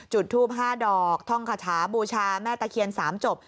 จุดทูป๕ดอกท่องคาถาบูชาแม่ตะเคียน๓จบ